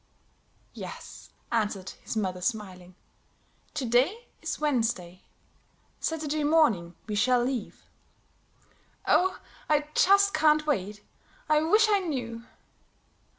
"Yes," answered his mother, smiling. "To day is Wednesday; Saturday morning we shall leave." "Oh, I just can't wait! I wish I knew."